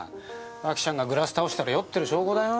脇ちゃんがグラス倒したら酔ってる証拠だよ。